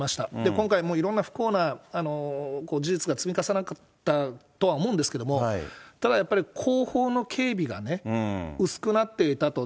今回、いろんな不幸な事実が積み重なったとは思うんですけども、ただやっぱり後方の警備がね、薄くなっていたと。